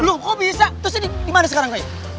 loh kok bisa terus dia dimana sekarang kayaknya